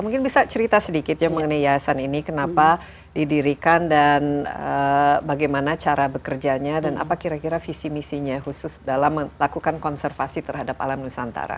mungkin bisa cerita sedikit ya mengenai yayasan ini kenapa didirikan dan bagaimana cara bekerjanya dan apa kira kira visi misinya khusus dalam melakukan konservasi terhadap alam nusantara